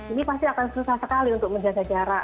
ini pasti akan susah sekali untuk menjaga jarak